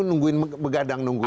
nungguin begadang nungguin